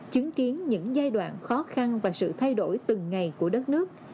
chứng kiến những giai đoạn khó khăn và sự thay đổi từng ngày của đất nước